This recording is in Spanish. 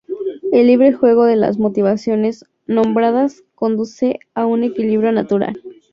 El libre juego de las motivaciones nombradas conduce a un equilibrio natural.